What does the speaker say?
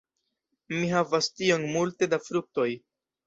Mi havas tiom multe da fruktoj.